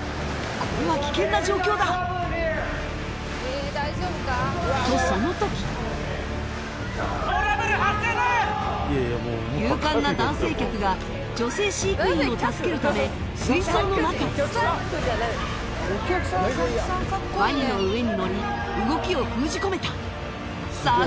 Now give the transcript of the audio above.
これは危険な状況だとそのとき勇敢な男性客が女性飼育員を助けるため水槽の中へワニの上にのり動きを封じ込めたさあ